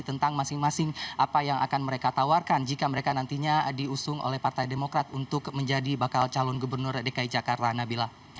tentang masing masing apa yang akan mereka tawarkan jika mereka nantinya diusung oleh partai demokrat untuk menjadi bakal calon gubernur dki jakarta nabila